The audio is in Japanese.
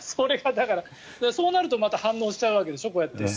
そうなるとまた反応しちゃうわけでしょ。